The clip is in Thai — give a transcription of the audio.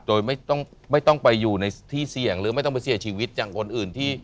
โดยไม่ต้องไปอยู่ในที่เสี่ยงหรือไม่ต้องไปเสียชีวิตอย่างคนอื่นที่